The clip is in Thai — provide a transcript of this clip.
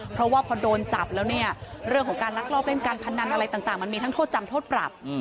เพราะว่าพอโดนจับแล้วเนี่ยเรื่องของการลักลอบเล่นการพนันอะไรต่างมันมีทั้งโทษจำโทษปรับ